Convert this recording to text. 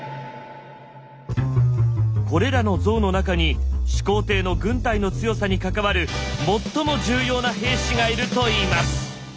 これらの像の中に始皇帝の軍隊の強さに関わる最も重要な兵士がいるといいます。